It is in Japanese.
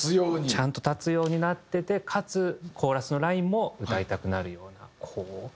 ちゃんと立つようになっててかつコーラスのラインも歌いたくなるようなこう。